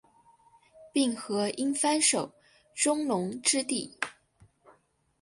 并河因幡守宗隆之弟。